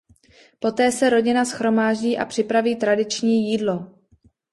Poté se rodina shromáždí a připraví tradiční jídlo.